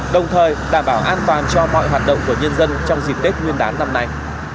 đồng thời đảm bảo an toàn cho mọi hoạt động của nhân dân trong dịp tết nguyên đán năm nay